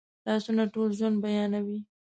لاسونه ټول ژوند بیانوي